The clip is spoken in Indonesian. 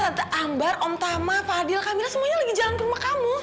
ada ambar om tama fadil kamil semuanya lagi jalan ke rumah kamu